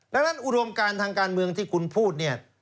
ดังนั้นอุดมการทางการเมืองที่คุณพูดเนี่ย